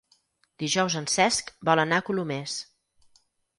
Dijous en Cesc vol anar a Colomers.